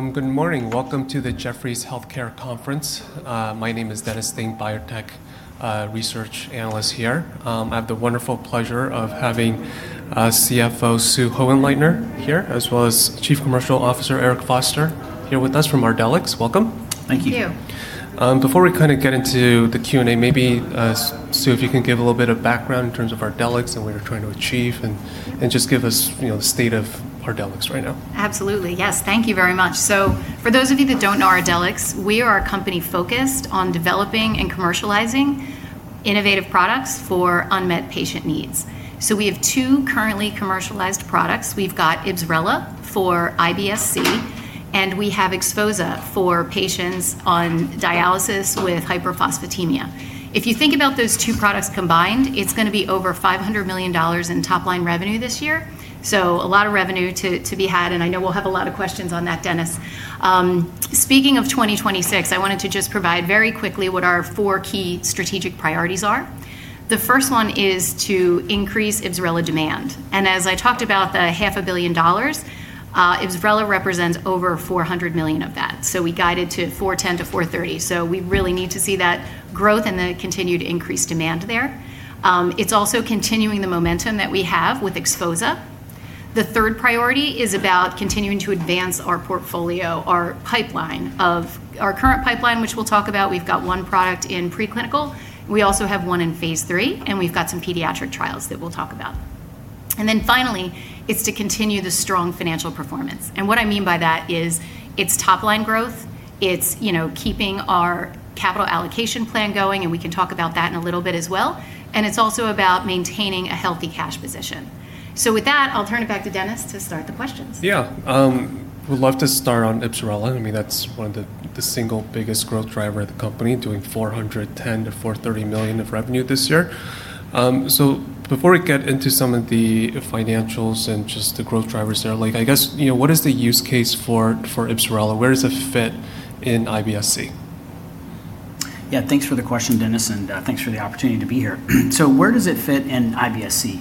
Good morning. Welcome to the Jefferies Global Healthcare Conference. My name is Dennis Ding, Biotech Research Analyst here. I have the wonderful pleasure of having CFO Sue Hohenleitner here, as well as Chief Commercial Officer Eric Foster here with us from Ardelyx. Welcome. Thank you. Thank you. Before we get into the Q&A, maybe, Sue, if you can give a little bit of background in terms of Ardelyx and what you're trying to achieve, and just give us the state of Ardelyx right now. Absolutely. Yes. Thank you very much. For those of you that don't know Ardelyx, we are a company focused on developing and commercializing innovative products for unmet patient needs. We have two currently commercialized products. We've got IBSRELA for IBS-C, and we have XPHOZAH for patients on dialysis with hyperphosphatemia. If you think about those two products combined, it's going to be over $500 million in top-line revenue this year. A lot of revenue to be had, and I know we'll have a lot of questions on that, Dennis. Speaking of 2026, I wanted to just provide very quickly what our four key strategic priorities are. The first one is to increase IBSRELA demand. As I talked about, the $500 million, IBSRELA represents over $400 million of that. We guided to $410 million-$430 million. We really need to see that growth and the continued increased demand there. It's also continuing the momentum that we have with XPHOZAH. The third priority is about continuing to advance our current pipeline, which we'll talk about, we've got one product in preclinical. We also have one in phase III, and we've got some pediatric trials that we'll talk about. Finally, it's to continue the strong financial performance. What I mean by that is its top-line growth, it's keeping our capital allocation plan going, and we can talk about that in a little bit as well. It's also about maintaining a healthy cash position. With that, I'll turn it back to Dennis to start the questions. Yeah. Would love to start on IBSRELA. That's one of the single biggest growth driver of the company, doing $410 million-$430 million of revenue this year. Before we get into some of the financials and just the growth drivers there, I guess, what is the use case for IBSRELA? Where does it fit in IBS-C? Yeah, thanks for the question, Dennis, and thanks for the opportunity to be here. Where does it fit in IBS-C?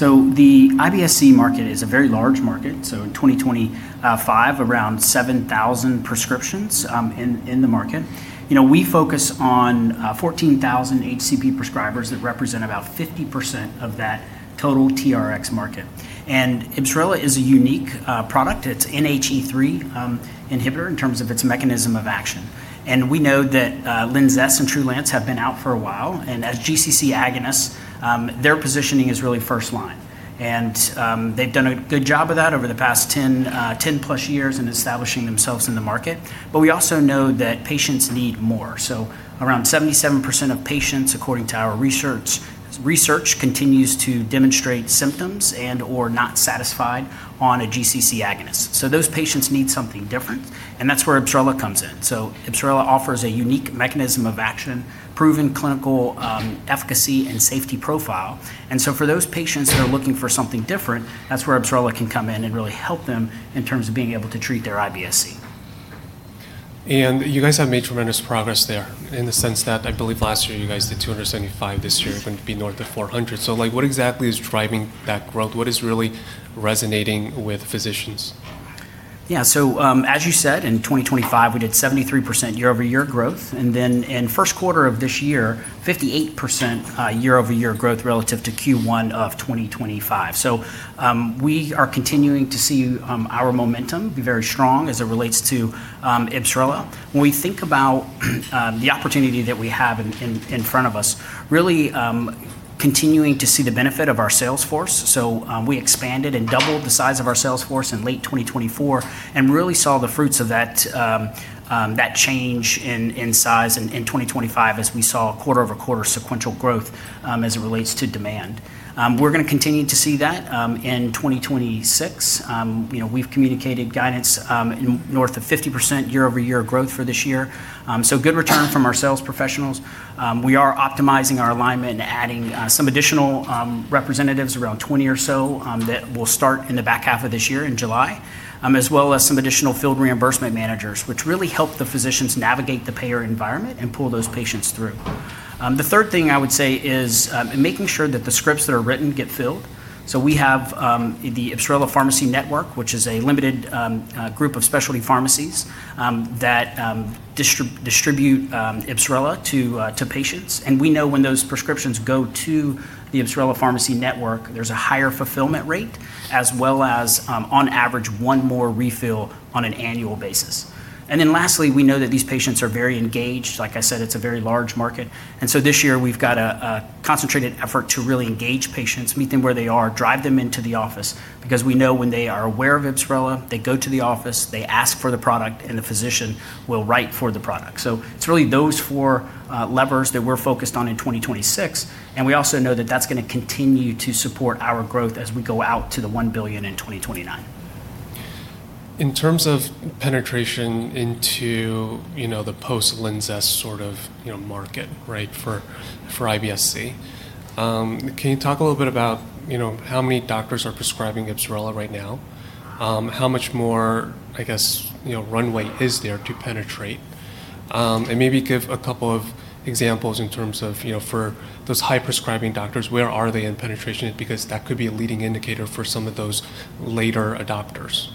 The IBS-C market is a very large market, so in 2025, around 7,000 prescriptions in the market. We focus on 14,000 HCP prescribers that represent about 50% of that total TRx market. IBSRELA is a unique product. It's an NHE3 inhibitor in terms of its mechanism of action. We know that LINZESS and Trulance have been out for a while, and as GC-C agonists, their positioning is really first line. They've done a good job of that over the past 10+ years in establishing themselves in the market. We also know that patients need more. Around 77% of patients, according to our research, continues to demonstrate symptoms and/or not satisfied on a GC-C agonist. Those patients need something different, and that's where IBSRELA comes in. IBSRELA offers a unique mechanism of action, proven clinical efficacy, and safety profile. For those patients that are looking for something different, that's where IBSRELA can come in and really help them in terms of being able to treat their IBS-C. You guys have made tremendous progress there in the sense that I believe last year you guys did $275. This year is going to be north of $400. What exactly is driving that growth? What is really resonating with physicians? Yeah. As you said, in 2025, we did 73% year-over-year growth. In first quarter of this year, 58% year-over-year growth relative to Q1 of 2025. We are continuing to see our momentum be very strong as it relates to IBSRELA. When we think about the opportunity that we have in front of us, really continuing to see the benefit of our sales force. We expanded and doubled the size of our sales force in late 2024 and really saw the fruits of that change in size in 2025 as we saw quarter-over-quarter sequential growth as it relates to demand. We're going to continue to see that in 2026. We've communicated guidance north of 50% year-over-year growth for this year. Good return from our sales professionals. We are optimizing our alignment and adding some additional representatives, around 20 or so, that will start in the back half of this year in July, as well as some additional field reimbursement managers, which really help the physicians navigate the payer environment and pull those patients through. The third thing I would say is making sure that the scripts that are written get filled. We have the IBSRELA Pharmacy Network, which is a limited group of specialty pharmacies that distribute IBSRELA to patients. We know when those prescriptions go to the IBSRELA Pharmacy Network, there's a higher fulfillment rate as well as, on average, one more refill on an annual basis. Lastly, we know that these patients are very engaged. Like I said, it's a very large market. This year we've got a concentrated effort to really engage patients, meet them where they are, drive them into the office, because we know when they are aware of IBSRELA, they go to the office, they ask for the product, and the physician will write for the product. It's really those four levers that we're focused on in 2026, and we also know that that's going to continue to support our growth as we go out to the $1 billion in 2029. In terms of penetration into the post-LINZESS sort of market for IBS-C, can you talk a little bit about how many doctors are prescribing IBSRELA right now? How much more, I guess, runway is there to penetrate? Maybe give a couple of examples in terms of for those high-prescribing doctors, where are they in penetration? Because that could be a leading indicator for some of those later adopters.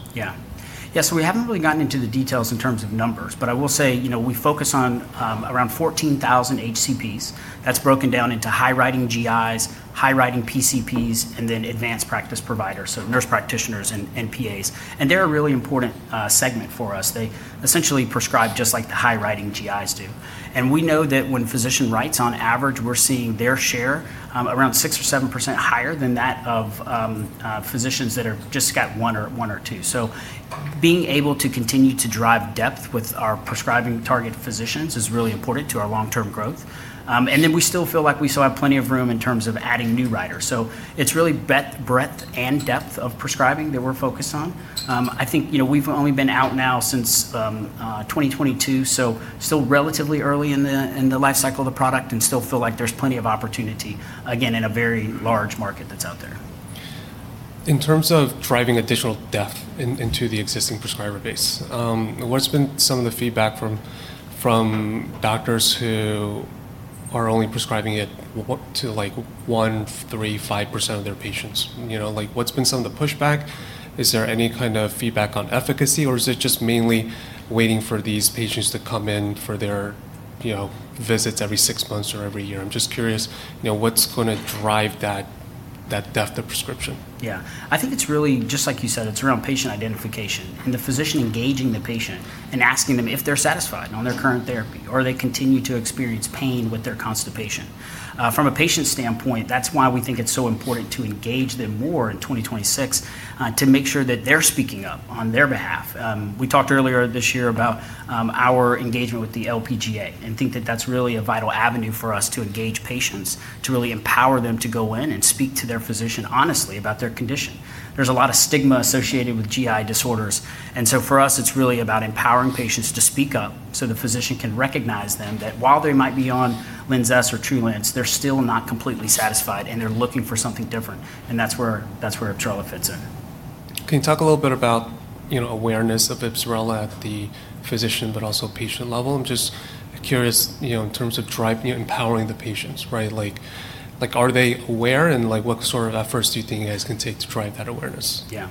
Yeah. We haven't really gotten into the details in terms of numbers. I will say, we focus on around 14,000 HCPs. That's broken down into high-writing GIs, high-writing PCPs, and then advanced practice providers, so nurse practitioners and PAs. They're a really important segment for us. They essentially prescribe just like the high-writing GIs do. We know that when a physician writes on average, we're seeing their share around 6% or 7% higher than that of physicians that have just got one or two. Being able to continue to drive depth with our prescribing target physicians is really important to our long-term growth. We still feel like we still have plenty of room in terms of adding new writers. It's really breadth and depth of prescribing that we're focused on. I think we've only been out now since 2022, so still relatively early in the life cycle of the product and still feel like there's plenty of opportunity, again, in a very large market that's out there. In terms of driving additional depth into the existing prescriber base, what's been some of the feedback from doctors who are only prescribing it to 1%, 3%, 5% of their patients? What's been some of the pushback? Is there any kind of feedback on efficacy, or is it just mainly waiting for these patients to come in for their visits every six months or every year? I'm just curious, what's going to drive that depth of prescription? Yeah. I think it's really just like you said, it's around patient identification and the physician engaging the patient and asking them if they're satisfied on their current therapy, or they continue to experience pain with their constipation. From a patient standpoint, that's why we think it's so important to engage them more in 2026 to make sure that they're speaking up on their behalf. We talked earlier this year about our engagement with the LPGA and think that that's really a vital avenue for us to engage patients, to really empower them to go in and speak to their physician honestly about their condition. There's a lot of stigma associated with GI disorders. For us, it's really about empowering patients to speak up so the physician can recognize them that while they might be on LINZESS or Trulance, they're still not completely satisfied, and they're looking for something different. That's where IBSRELA fits in. Can you talk a little bit about awareness of IBSRELA at the physician, but also patient level? I'm just curious, in terms of empowering the patients. Are they aware, and what sort of efforts do you think you guys can take to drive that awareness? Yeah.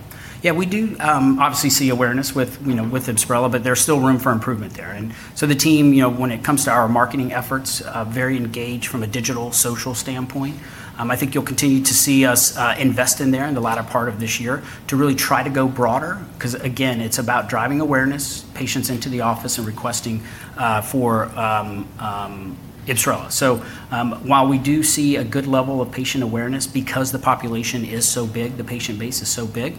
We do obviously see awareness with IBSRELA, there's still room for improvement there. The team, when it comes to our marketing efforts, very engaged from a digital, social standpoint. I think you'll continue to see us invest in there in the latter part of this year to really try to go broader, because again, it's about driving awareness, patients into the office and requesting for IBSRELA. While we do see a good level of patient awareness, because the population is so big, the patient base is so big,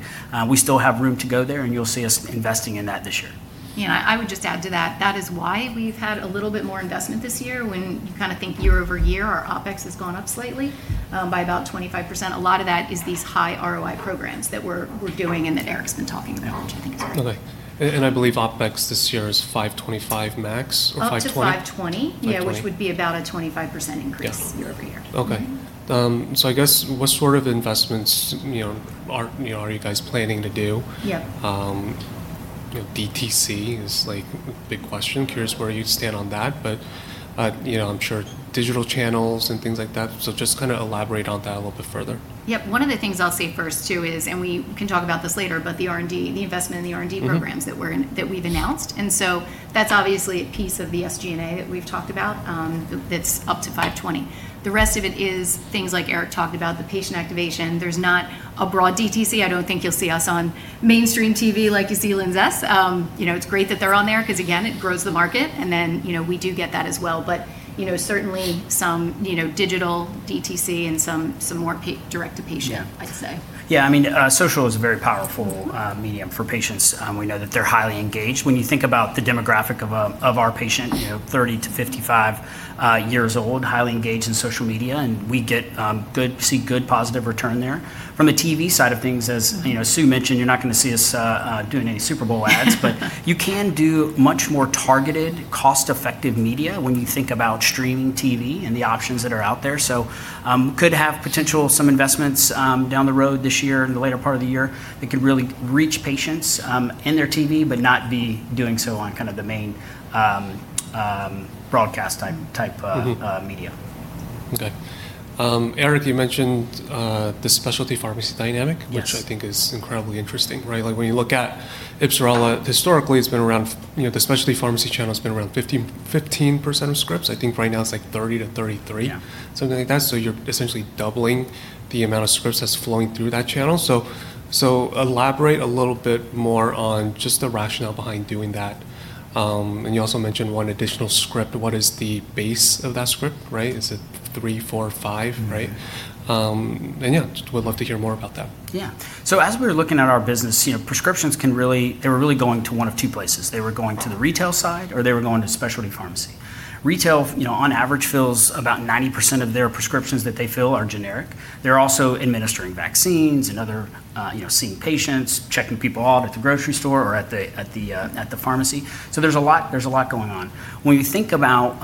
we still have room to go there, and you'll see us investing in that this year. Yeah, I would just add to that is why we've had a little bit more investment this year when you think year-over-year, our OpEx has gone up slightly by about 25%. A lot of that is these high ROI programs that we're doing and that Eric's been talking about, which I think is great. Okay. I believe OpEx this year is $525 max or $520? Up to $520. $520. Yeah, which would be about a 25% increase. Yeah. Year-over-year. Okay. I guess what sort of investments are you guys planning to do? Yeah. DTC is a big question. Curious where you stand on that, but I'm sure digital channels and things like that. Just elaborate on that a little bit further. Yep. One of the things I'll say first, too, is, and we can talk about this later, but the R&D, the investment in the R&D programs that we've announced. That's obviously a piece of the SG&A that we've talked about that's up to $520. The rest of it is things like Eric talked about, the patient activation. There's not a broad DTC. I don't think you'll see us on mainstream TV like you see LINZESS. It's great that they're on there because, again, it grows the market, and then we do get that as well. Certainly, some digital DTC and some more direct-to-patient- Yeah. I'd say. Yeah, social is a very powerful medium for patients. We know that they're highly engaged. When you think about the demographic of our patient, 30-55 years old, highly engaged in social media. We see good positive return there. From a TV side of things, as Sue mentioned, you're not going to see us doing any Super Bowl ads. You can do much more targeted, cost-effective media when you think about streaming TV and the options that are out there. Could have potential some investments down the road this year, in the later part of the year, that could really reach patients in their TV, but not be doing so on the main broadcast type media. Okay. Eric, you mentioned the specialty pharmacy dynamic. Yes. Which I think is incredibly interesting. When you look at IBSRELA, historically, the specialty pharmacy channel has been around 15% of scripts. I think right now it's 30%-33%. Yeah. Something like that. You're essentially doubling the amount of scripts that's flowing through that channel. Elaborate a little bit more on just the rationale behind doing that. You also mentioned one additional script. What is the base of that script? Is it three, four, five? Yeah, just would love to hear more about that. As we were looking at our business, prescriptions, they were really going to one of two places. They were going to the retail side, or they were going to specialty pharmacy. Retail, on average, fills about 90% of their prescriptions that they fill are generic. They're also administering vaccines and seeing patients, checking people out at the grocery store or at the pharmacy. There's a lot going on. When you think about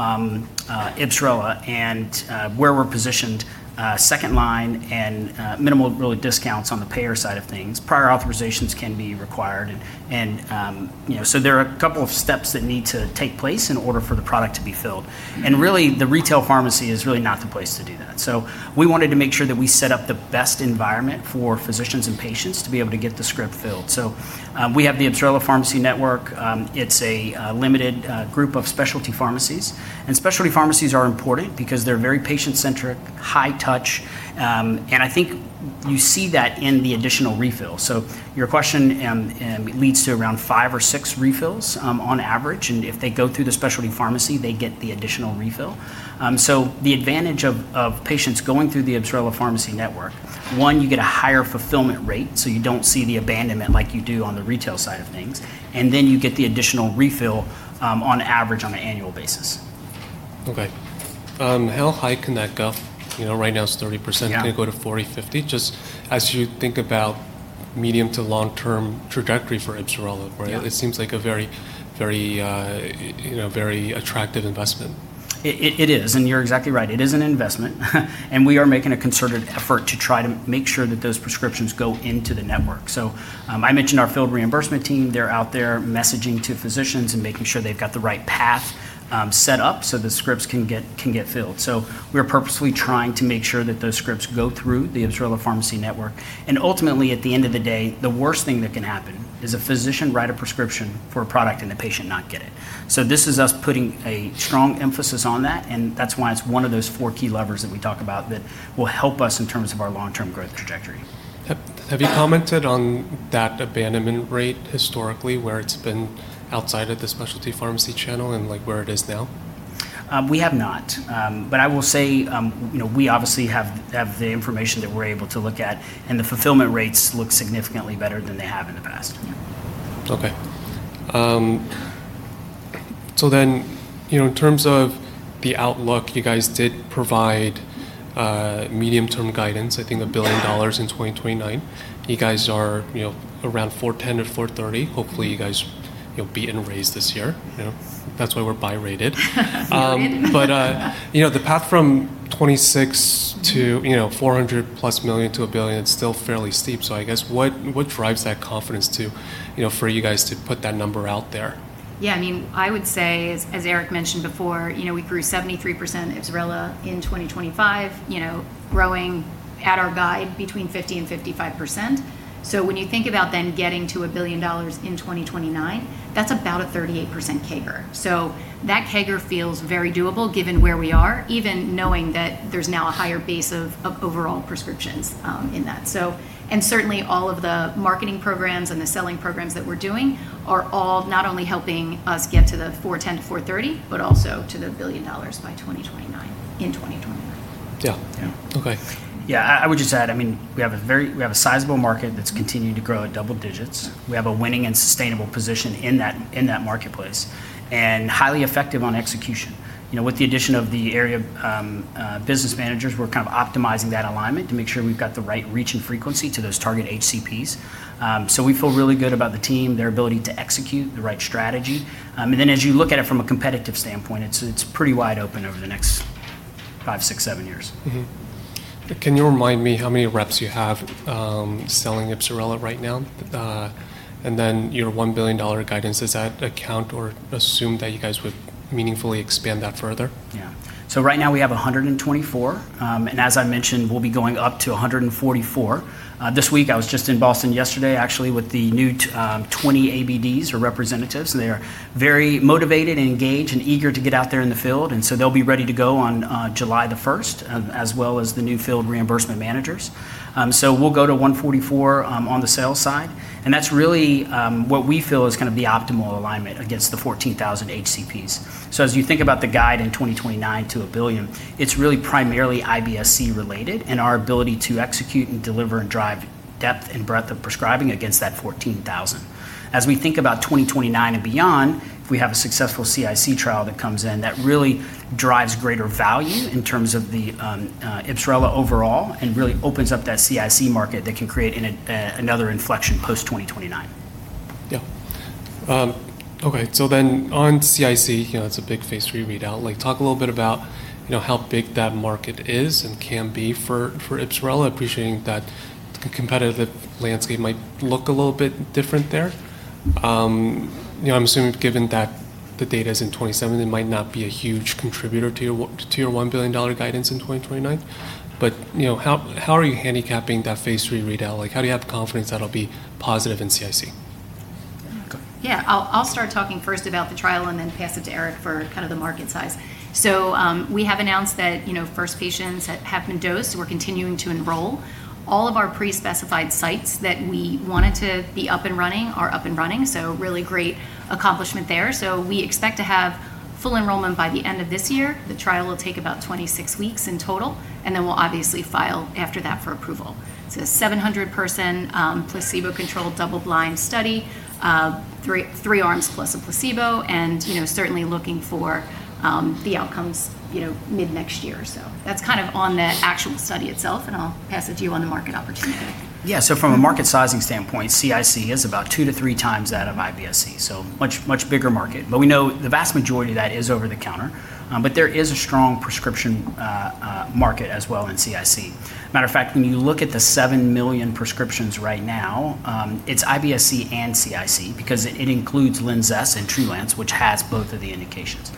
IBSRELA and where we're positioned, second line and minimal really discounts on the payer side of things, prior authorizations can be required, and so there are a couple of steps that need to take place in order for the product to be filled. Really, the retail pharmacy is really not the place to do that. We wanted to make sure that we set up the best environment for physicians and patients to be able to get the script filled. We have the IBSRELA Pharmacy Network. It's a limited group of specialty pharmacies. Specialty pharmacies are important because they're very patient-centric, high touch, and I think you see that in the additional refill. Your question leads to around five or six refills on average, and if they go through the specialty pharmacy, they get the additional refill. The advantage of patients going through the IBSRELA Pharmacy Network, one, you get a higher fulfillment rate, so you don't see the abandonment like you do on the retail side of things, and then you get the additional refill on average on an annual basis. Okay. How high can that go? Right now it's 30%. Yeah. Can it go to 40%, 50%? Just as you think about medium to long-term trajectory for IBSRELA, right? Yeah. It seems like a very attractive investment. It is, and you're exactly right. It is an investment, and we are making a concerted effort to try to make sure that those prescriptions go into the network. I mentioned our field reimbursement team. They're out there messaging to physicians and making sure they've got the right path set up so the scripts can get filled. We're purposely trying to make sure that those scripts go through the IBSRELA Pharmacy Network, and ultimately, at the end of the day, the worst thing that can happen is a physician write a prescription for a product and the patient not get it. This is us putting a strong emphasis on that, and that's why it's one of those four key levers that we talk about that will help us in terms of our long-term growth trajectory. Have you commented on that abandonment rate historically, where it's been outside of the specialty pharmacy channel and where it is now? We have not. I will say, we obviously have the information that we're able to look at, and the fulfillment rates look significantly better than they have in the past. Okay. In terms of the outlook, you guys did provide medium-term guidance, I think $1 billion in 2029. You guys are around $410 or $430. Hopefully, you guys beat and raise this year. That's why we're buy rated. Buy rated. The path from 2026 to $400+ million to $1 billion is still fairly steep. I guess, what drives that confidence for you guys to put that number out there? Yeah, I would say, as Eric mentioned before, we grew 73% IBSRELA in 2025, growing at our guide between 50% and 55%. When you think about getting to $1 billion in 2029, that's about a 38% CAGR. That CAGR feels very doable given where we are, even knowing that there's now a higher base of overall prescriptions in that. Certainly, all of the marketing programs and the selling programs that we're doing are all not only helping us get to the $410 to $430, but also to the $1 billion by 2029, in 2029. Yeah. Yeah. Okay. Yeah, I would just add, we have a sizable market that's continuing to grow at double digits. We have a winning and sustainable position in that marketplace, and highly effective on execution. With the addition of the area business managers, we're optimizing that alignment to make sure we've got the right reach and frequency to those target HCPs. We feel really good about the team, their ability to execute the right strategy. As you look at it from a competitive standpoint, it's pretty wide open over the next five, six, seven years. Can you remind me how many reps you have selling IBSRELA right now? Your $1 billion guidance, does that account or assume that you guys would meaningfully expand that further? Yeah. Right now we have 124. As I mentioned, we'll be going up to 144. This week, I was just in Boston yesterday, actually, with the new 20 ABMs or representatives. They are very motivated and engaged and eager to get out there in the field, they'll be ready to go on July the 1st, as well as the new field reimbursement managers. We'll go to 144 on the sales side, and that's really what we feel is the optimal alignment against the 14,000 HCPs. As you think about the guide in 2029 to $1 billion, it's really primarily IBS-C related and our ability to execute and deliver and drive depth and breadth of prescribing against that 14,000. As we think about 2029 and beyond, if we have a successful CIC trial that comes in, that really drives greater value in terms of the IBSRELA overall and really opens up that CIC market that can create another inflection post-2029. Yeah. Okay. On CIC, it's a big phase III readout. Talk a little bit about how big that market is and can be for IBSRELA, appreciating that the competitive landscape might look a little bit different there. I'm assuming given that the data's in 2027, it might not be a huge contributor to your $1 billion guidance in 2029. How are you handicapping that phase III readout? How do you have confidence that'll be positive in CIC? Yeah. I'll start talking first about the trial and then pass it to Eric for the market size. We have announced that first patients have been dosed. We're continuing to enroll. All of our pre-specified sites that we wanted to be up and running are up and running, so really great accomplishment there. We expect to have full enrollment by the end of this year. The trial will take about 26 weeks in total, and then we'll obviously file after that for approval. It's a 700-person placebo-controlled double-blind study, three arms plus a placebo, and certainly looking for the outcomes mid-next year or so. That's on the actual study itself, and I'll pass it to you on the market opportunity. Yeah, from a market sizing standpoint, CIC is about two to three times that of IBS-C, much bigger market. We know the vast majority of that is over the counter. There is a strong prescription market as well in CIC. Matter of fact, when you look at the 7 million prescriptions right now, it's IBS-C and CIC because it includes LINZESS and Trulance, which has both of the indications.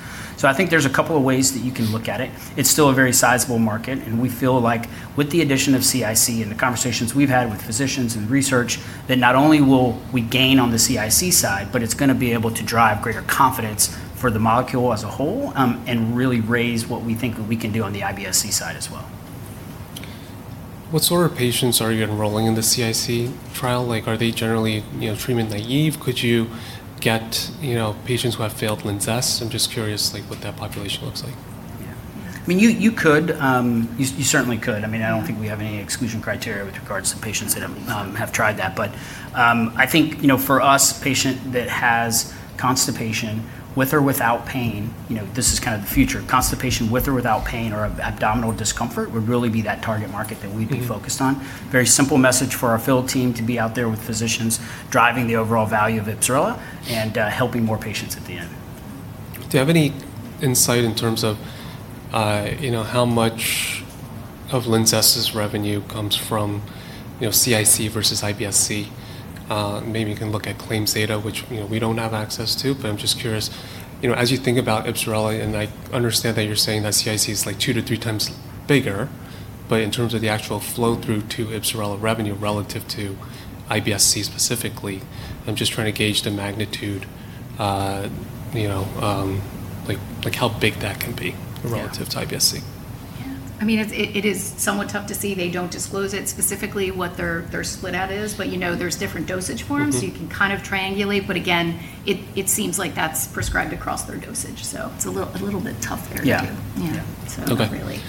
I think there's a couple of ways that you can look at it. It's still a very sizable market, and we feel like with the addition of CIC and the conversations we've had with physicians and research, that not only will we gain on the CIC side, but it's going to be able to drive greater confidence for the molecule as a whole, and really raise what we think we can do on the IBS-C side as well. What sort of patients are you enrolling in the CIC trial? Are they generally treatment naive? Could you get patients who have failed LINZESS? I'm just curious what that population looks like. You could. You certainly could. I don't think we have any exclusion criteria with regards to patients that have tried that. I think, for us, patient that has constipation with or without pain, this is kind of the future. Constipation with or without pain or abdominal discomfort would really be that target market that we'd be focused on. Very simple message for our field team to be out there with physicians driving the overall value of IBSRELA and helping more patients at the end. Do you have any insight in terms of how much of LINZESS's revenue comes from CIC versus IBS-C? Maybe you can look at claims data, which we don't have access to, but I'm just curious. As you think about IBSRELA, and I understand that you're saying that CIC is 2x-3x bigger, but in terms of the actual flow through to IBSRELA revenue relative to IBS-C specifically, I'm just trying to gauge the magnitude, like how big that can be relative to IBS-C. It is somewhat tough to see. They don't disclose it specifically what their split at is, but there's different dosage forms. You can kind of triangulate, but again, it seems like that's prescribed across their dosage, so it's a little bit tough there. Yeah. Yeah. Yeah. Not really.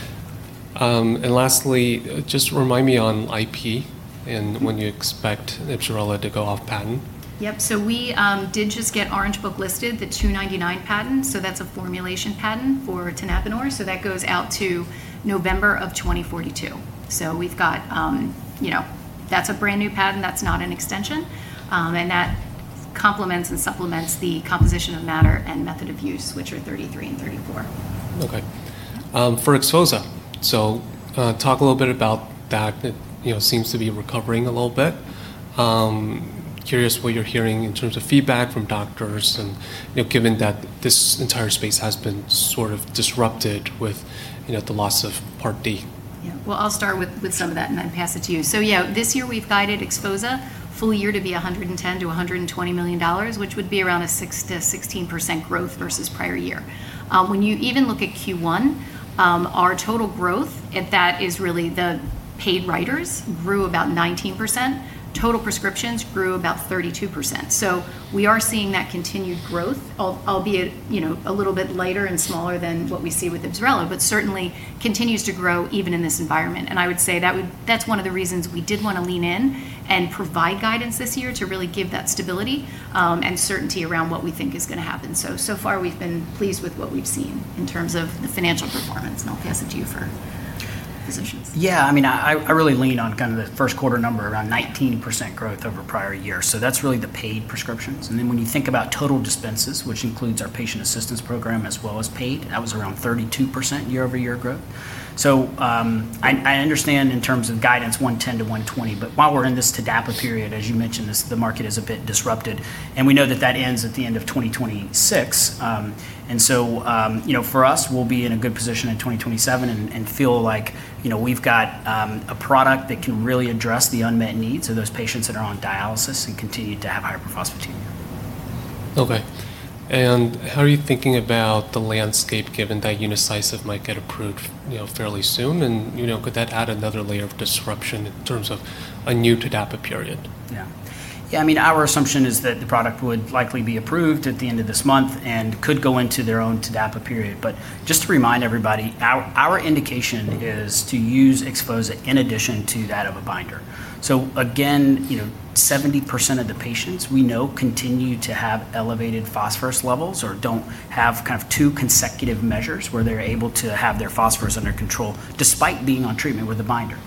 Okay. Lastly, just remind me on IP and when you expect IBSRELA to go off patent. Yep. We did just get Orange Book listed, the 299 patent. That's a formulation patent for tenapanor, so that goes out to November of 2042. That's a brand-new patent, that's not an extension. That complements and supplements the composition of matter and method of use, which are 33 and 34. For XPHOZAH, talk a little bit about that. It seems to be recovering a little bit. Curious what you're hearing in terms of feedback from doctors given that this entire space has been sort of disrupted with the loss of Part D. Well, I'll start with some of that and then pass it to you. This year we've guided XPHOZAH full year to be $110 million-$120 million, which would be around a 6%-16% growth versus prior year. When you even look at Q1, our total growth at that is really the paid writers grew about 19%. Total prescriptions grew about 32%. We are seeing that continued growth, albeit a little bit lighter and smaller than what we see with IBSRELA, but certainly continues to grow even in this environment. I would say that's one of the reasons we did want to lean in and provide guidance this year to really give that stability and certainty around what we think is going to happen. So far, we've been pleased with what we've seen in terms of the financial performance, and I'll pass it to you for physicians. Yeah, I really lean on kind of the first quarter number, around 19% growth over prior year. That's really the paid prescriptions. When you think about total dispenses, which includes our patient assistance program as well as paid, that was around 32% year-over-year growth. I understand in terms of guidance, $110 million to $120 million, while we're in this TDAPA period, as you mentioned, the market is a bit disrupted, we know that that ends at the end of 2026. For us, we'll be in a good position in 2027 and feel like we've got a product that can really address the unmet needs of those patients that are on dialysis and continue to have hyperphosphatemia. Okay. How are you thinking about the landscape given that [Unasyn] might get approved fairly soon? Could that add another layer of disruption in terms of a new TDAPA period? Yeah. Our assumption is that the product would likely be approved at the end of this month and could go into their own TDAPA period. Just to remind everybody, our indication is to use XPHOZAH in addition to that of a binder. Again, 70% of the patients we know continue to have elevated phosphorus levels or don't have kind of two consecutive measures where they're able to have their phosphorus under control, despite being on treatment with a binder.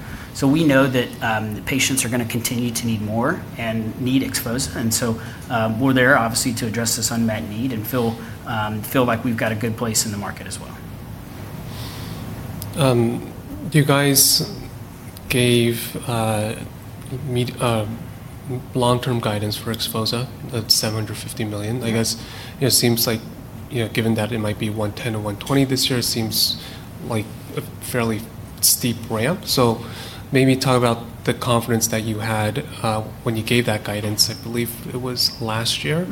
We know that patients are going to continue to need more and need XPHOZAH, and so we're there obviously to address this unmet need and feel like we've got a good place in the market as well. You guys gave long-term guidance for XPHOZAH. That's $750 million. I guess, it seems like, given that it might be $110 million or $120 million this year, it seems like a fairly steep ramp. Maybe talk about the confidence that you had when you gave that guidance, I believe it was last year?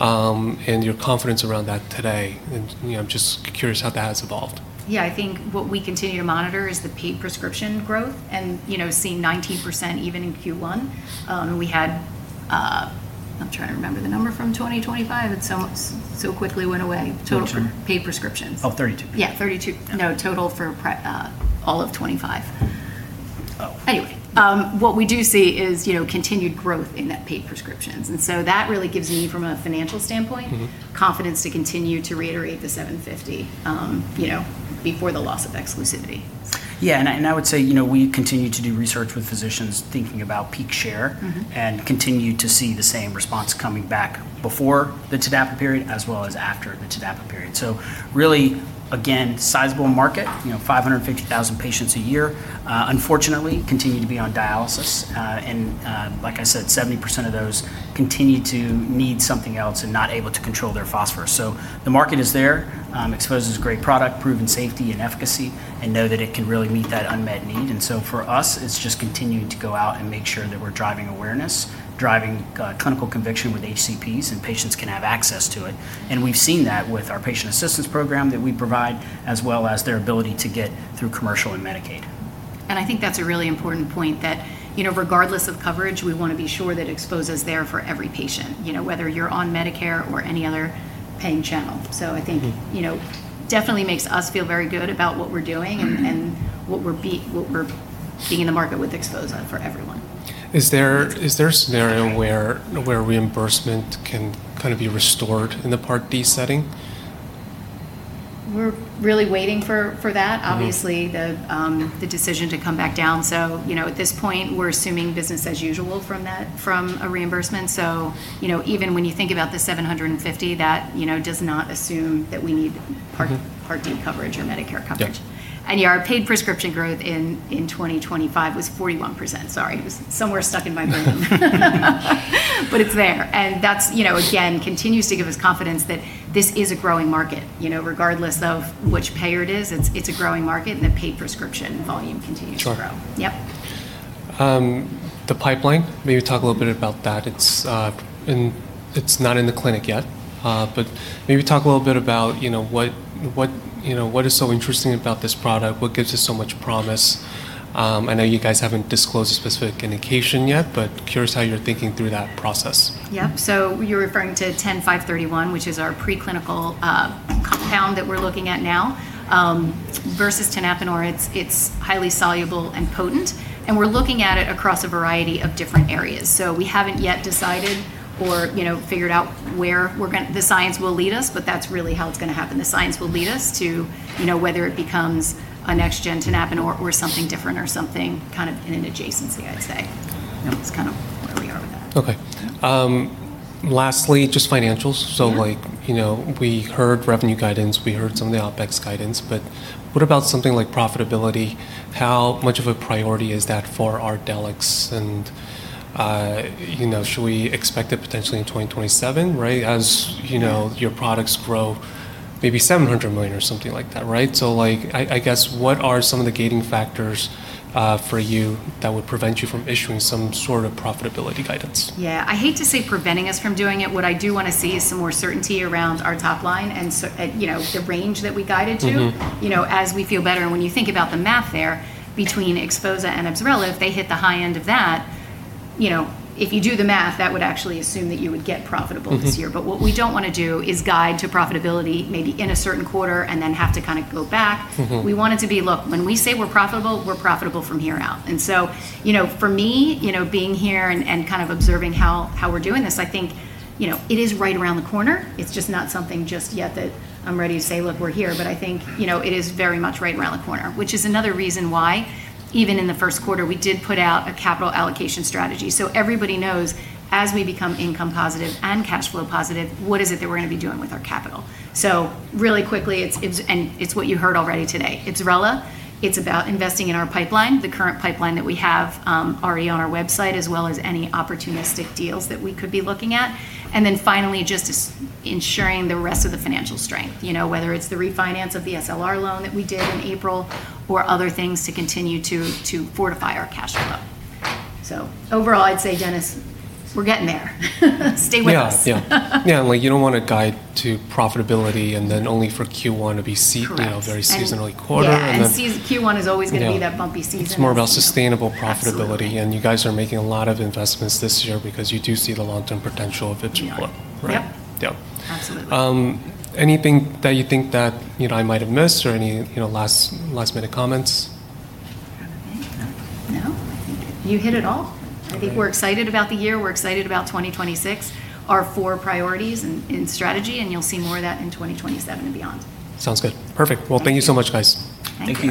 Your confidence around that today, and I'm just curious how that has evolved. Yeah, I think what we continue to monitor is the paid prescription growth and seeing 19% even in Q1. We had I'm trying to remember the number from 2025. It so quickly went away. Which one? Paid prescriptions. Oh, 32. Yeah, 32. No, total for all of 2025. Oh. Anyway, what we do see is continued growth in that paid prescriptions. That really gives me, from a financial standpoint. Confidence to continue to reiterate the $750 before the loss of exclusivity. Yeah, I would say, we continue to do research with physicians thinking about peak share. Continue to see the same response coming back before the TDAPA period as well as after the TDAPA period. Really, again, sizable market, 550,000 patients a year, unfortunately continue to be on dialysis. Like I said, 70% of those continue to need something else and not able to control their phosphorus. The market is there. XPHOZAH is a great product, proven safety and efficacy, and know that it can really meet that unmet need. For us, it's just continuing to go out and make sure that we're driving awareness, driving clinical conviction with HCPs, and patients can have access to it. We've seen that with our patient assistance program that we provide, as well as their ability to get through commercial and Medicaid. I think that's a really important point that, regardless of coverage, we want to be sure that XPHOZAH's there for every patient, whether you're on Medicare or any other paying channel. I think, definitely makes us feel very good about what we're doing and what we're being in the market with XPHOZAH for everyone. Is there a scenario where reimbursement can kind of be restored in the Part D setting? We're really waiting for that. Obviously, the decision to come back down. At this point, we're assuming business as usual from a reimbursement. Even when you think about the 750, that does not assume that we need Part D coverage or Medicare coverage. Yeah. Yeah, our paid prescription growth in 2025 was 41%. Sorry, it was somewhere stuck in my brain. It's there, and that, again, continues to give us confidence that this is a growing market. Regardless of which payer it is, it's a growing market, and the paid prescription volume continues to grow. Sure. Yep. The pipeline, maybe talk a little bit about that. It's not in the clinic yet. Maybe talk a little bit about what is so interesting about this product, what gives it so much promise? I know you guys haven't disclosed a specific indication yet, but curious how you're thinking through that process? Yeah. You're referring to 10531, which is our preclinical compound that we're looking at now, versus tenapanor. It's highly soluble and potent, and we're looking at it across a variety of different areas. We haven't yet decided or figured out where the science will lead us, but that's really how it's going to happen. The science will lead us to whether it becomes a next gen tenapanor or something different or something in an adjacency, I'd say. That's kind of where we are with that. Okay. Lastly, just financials. Yeah. We heard revenue guidance, we heard some of the OpEx guidance, what about something like profitability? How much of a priority is that for Ardelyx and should we expect it potentially in 2027? Yeah. As your products grow, maybe $700 million or something like that, right? I guess, what are some of the gating factors for you that would prevent you from issuing some sort of profitability guidance? Yeah. I hate to say preventing us from doing it. What I do want to see is some more certainty around our top line and the range that we guided to. As we feel better, when you think about the math there between XPHOZAH and IBSRELA, if they hit the high end of that, if you do the math, that would actually assume that you would get profitable this year. What we don't want to do is guide to profitability maybe in a certain quarter and then have to go back. We want it to be, look, when we say we're profitable, we're profitable from here out. For me, being here and observing how we're doing this, I think it is right around the corner. It's just not something just yet that I'm ready to say, look, we're here, but I think it is very much right around the corner. Which is another reason why, even in the first quarter, we did put out a capital allocation strategy so everybody knows, as we become income positive and cash flow positive, what is it that we're going to be doing with our capital. Really quickly, and it's what you heard already today. IBSRELA, it's about investing in our pipeline, the current pipeline that we have already on our website, as well as any opportunistic deals that we could be looking at. Finally, just ensuring the rest of the financial strength. Whether it's the refinance of the SLR loan that we did in April or other things to continue to fortify our cash flow. Overall, I'd say, Dennis, we're getting there. Stay with us. Yeah. You don't want to guide to profitability and then only for Q1 to be sea- Correct. Very seasonally quarter. Yeah, Q1 is always going to be that bumpy season. It's more about sustainable profitability. Absolutely. You guys are making a lot of investments this year because you do see the long-term potential of each one, right? Yep. Yep. Absolutely. Anything that you think that I might have missed or any last-minute comments? I'm okay. No. I think you hit it all. Okay. I think we're excited about the year, we're excited about 2026, our four priorities in strategy, and you'll see more of that in 2027 and beyond. Sounds good. Perfect. Thank you. Well, thank you so much, guys. Thank you.